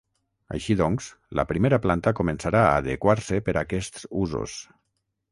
Així doncs, la primera planta començarà a adequar-se per aquests usos.